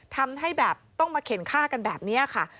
ทำให้แบบต้องมาเข็นฆ่ากันแบบนี้ค่ะ